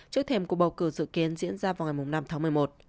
trước thềm của bầu cử dự kiến diễn ra vào ngày năm tháng một mươi một